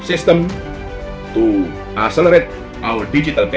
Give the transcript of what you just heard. untuk menguasai bank digital kita